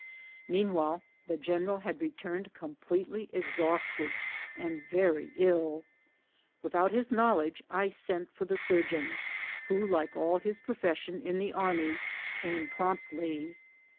Meanwhile the general had returned completely ex hausted and very ill. Without his knowledge I sent for the surgeon, who, like all of his profession in the army, came promptly.